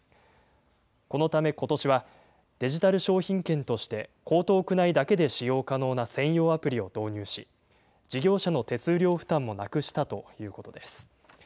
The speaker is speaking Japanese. このためことしはデジタル商品券として、江東区内だけで使用可能な専用アプリを導入し、事業者の手数料負担もなくしたということです。